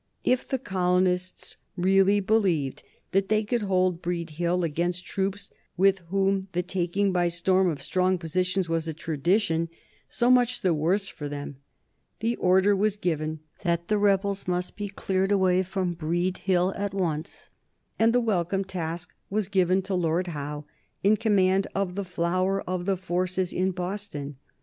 If the colonists really believed that they could hold Breed Hill against troops with whom the taking by storm of strong positions was a tradition, so much the worse for them. The order was given that the rebels must be cleared away from Breed Hill at once, and the welcome task was given to Lord Howe, in command of the flower of the forces in Boston.